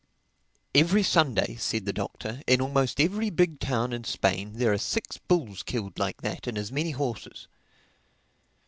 "Every Sunday," said the Doctor, "in almost every big town in Spain there are six bulls killed like that and as many horses."